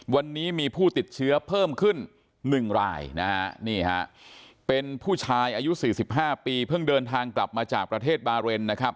วันนี้มีผู้ติดเชื้อเพิ่มขึ้น๑รายนะฮะนี่ฮะเป็นผู้ชายอายุ๔๕ปีเพิ่งเดินทางกลับมาจากประเทศบาเรนนะครับ